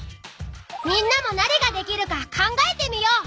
みんなも何ができるか考えてみよう！